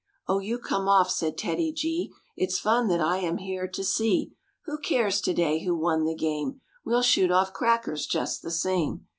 "Oh you come off," said TEDDY G, vl fay J ) "It's fun that 1 am here to see; Who cares to day who won the game? TEDDY G—His paw We'll shoot off crackers just the same."